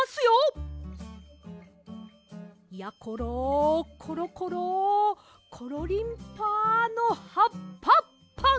やころコロコロコロリンパのハッパッパ。